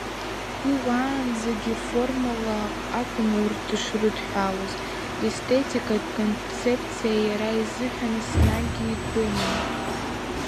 Уи уаанӡагьы формалла акәын урҭ дышрыдҳәалаз, рестетикатә концепциа иара изыҳәан еснагьгьы итәымын.